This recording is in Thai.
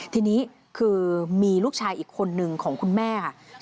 ทีนี้คือมีลูกชายอีกคนนึงของคุณแม่ค่ะ